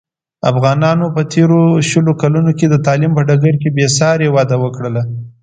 افغانانو په تېرو شلو کلونوکې د تعلیم په ډګر کې بې ساري وده وکړله.